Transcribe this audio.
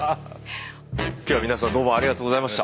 今日は皆さんどうもありがとうございました。